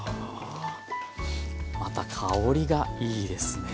また香りがいいですね。